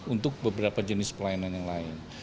untuk beberapa jenis pelayanan yang lain